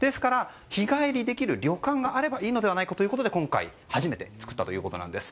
日帰りできる旅館があればいいのではないかということで今回初めて作ったということです。